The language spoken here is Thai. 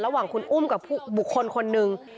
ระหว่างคุณอุ้มกับบุคคลคนหนึ่ง